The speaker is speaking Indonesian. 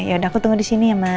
yaudah aku tunggu di sini ya mas